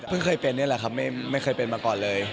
เคยเป็นนี่แหละครับไม่เคยเป็นมาก่อนเลย